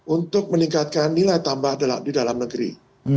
untuk meningkatkan nilai tambah di dalam negeri